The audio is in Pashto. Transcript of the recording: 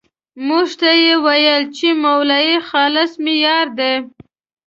موږ ته یې ويل چې مولوي خالص مې يار دی.